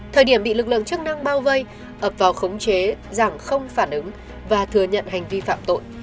thời điểm bị lực lượng chức năng bao vây ập vào khống chế rằng không phản ứng và thừa nhận hành vi phạm tội